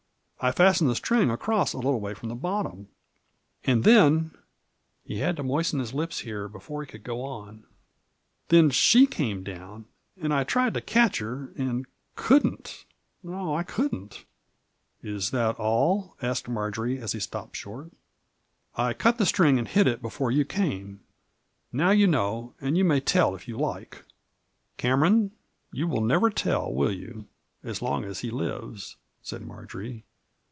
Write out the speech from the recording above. I fastened the string across a little way from the bottom. And then "— (he had to moisten his lips here before he could go on) —" then ahe came down, and I tried to catch her — and couldn't — no, I couldn't 1 "" Is that all ?" asked Marjory, as he stopped short. " I cut the string and hid it before you came. Now you know, and you may tell if you like !"" Cameron, you will never tell, will you — as long as he lives ?" said Marjory.